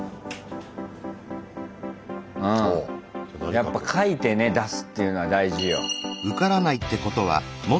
やっぱ書いてね出すっていうのは大事よ。